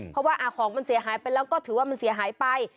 เพราะว่าของมันเสียหายไปแล้วก็ถือว่ามันเสียหายไป